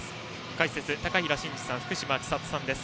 解説は高平慎士さんと福島千里さんです。